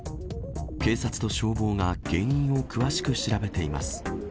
警察と消防が原因を詳しく調べています。